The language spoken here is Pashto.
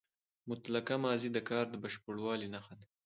مطلقه ماضي د کار د بشپړوالي نخښه ده.